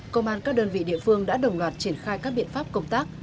công an các đơn vị địa phương đã đồng loạt triển khai các biện pháp công tác